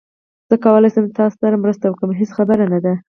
زه کولای شم تاسو سره مرسته وکړم، هیڅ خبره نه ده